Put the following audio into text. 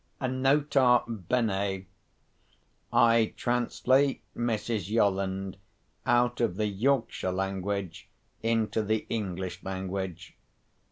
(Nota bene—I translate Mrs. Yolland out of the Yorkshire language into the English language.